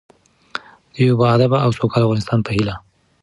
د یو باادبه او سوکاله افغانستان په هیله.